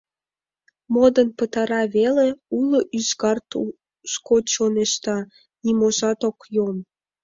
Модын пытарат веле — уло ӱзгар тушко чоҥешта, ниможат ок йом.